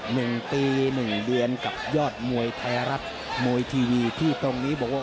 หนึ่งปีหนึ่งเดือนกับยอดมวยไทยรัฐมวยทีวีที่ตรงนี้บอกว่า